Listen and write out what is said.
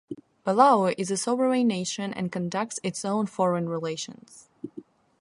Palau is a sovereign nation and conducts its own foreign relations.